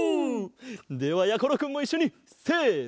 ではやころくんもいっしょにせの。